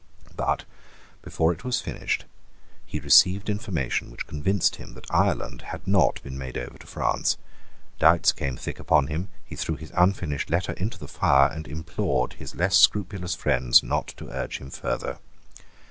But, before it was finished, he received information which convinced him that Ireland had not been made over to France: doubts came thick upon him: he threw his unfinished letter into the fire, and implored his less scrupulous friends not to urge him further.